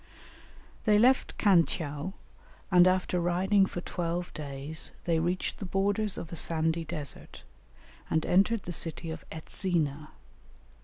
They left Khan tcheou, and after riding for twelve days they reached the borders of a sandy desert, and entered the city of Etzina.